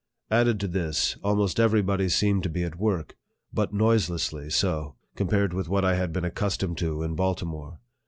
Added to this, almost every body seemed to be at work, but noiselessly so, compared with what I had been accustomed to in Baltimore.